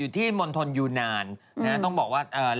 สูงที่ซูทรญไว้ที่มนธลยูนันต์